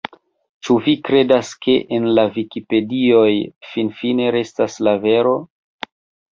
Ĉu vi kredas, ke en la vikipedioj finfine restas la vero?